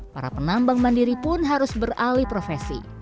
para penambang mandiri pun harus beralih profesi